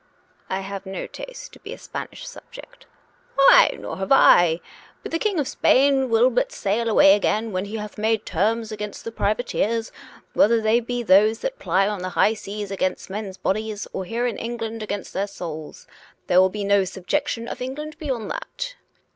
"" 1 have no taste to be a Spanish subject." " Why, nor have I ! But the King of Spain win but sail away again when he hath made terms against the priva teers, whether they be those that ply on the high seas against men's bodies, or here in England against their souls. There will be no subjection of England beyond that."